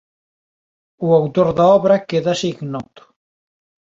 O autor da obra quédase ignoto.